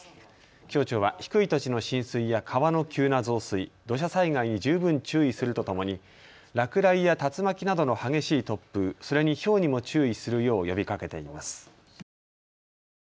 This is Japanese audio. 気象庁は低い土地の浸水や川の急な増水、土砂災害に十分注意するとともに落雷や竜巻などの激しい突風、それにひょうにも注意するよう呼びかけています。